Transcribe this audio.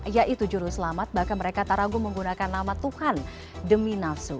yaitu juru selamat bahkan mereka tak ragu menggunakan nama tuhan demi nafsu